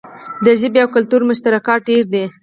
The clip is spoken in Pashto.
د ژبې او کلتور مشترکات ډیر دي.